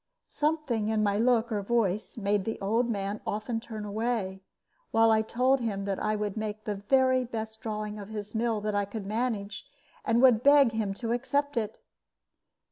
Something in my look or voice made the old man often turn away, while I told him that I would make the very best drawing of his mill that I could manage, and would beg him to accept it.